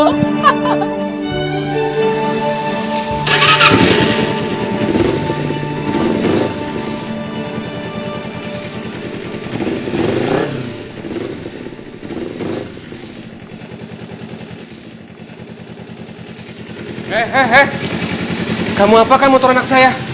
eh eh eh kamu apa kan motor anak saya